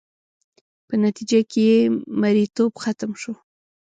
په نتیجه کې یې مریتوب ختم شو